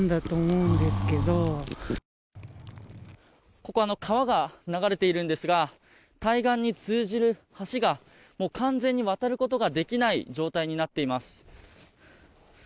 ここは川が流れているんですが対岸に通じる橋が完全に渡ることができない状態になっています。